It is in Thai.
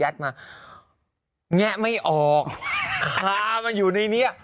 ก๊ามันอยู่ในนี้ฮะ